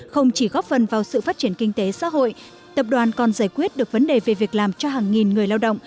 không chỉ góp phần vào sự phát triển kinh tế xã hội tập đoàn còn giải quyết được vấn đề về việc làm cho hàng nghìn người lao động